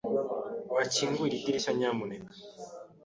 Wakingura idirishya, nyamuneka?